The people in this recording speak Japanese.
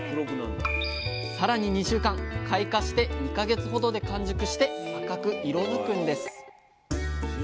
さらに２週間開花して２か月ほどで完熟して赤く色づくんです。